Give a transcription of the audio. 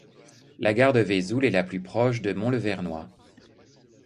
La gare de Vesoul est la plus proche de Mont-le-Vernois.